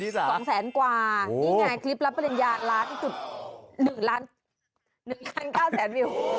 นี่ไงคลิปรับปริญญา๑๑ล้าน๑๙แสนวิว